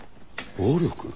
暴力？